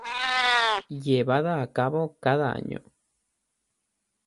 Llevada a cabo cada año.